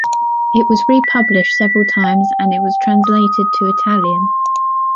It was republished several times and it was translated to Italian.